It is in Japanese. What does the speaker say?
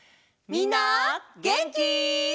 みんなげんき？